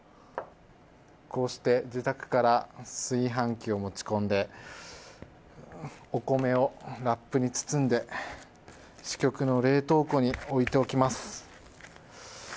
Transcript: こうして自宅から炊飯器を持ち込んでお米をラップに包んで支局の冷凍庫に置いておきます。